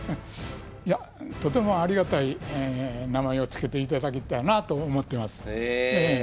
いやとてもありがたい名前を付けていただけたなと思ってます。